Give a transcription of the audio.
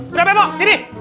tidak bemo sini